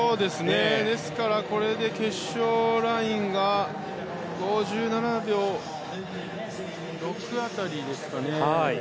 ですからこれで決勝ラインが５７秒６辺りですかね。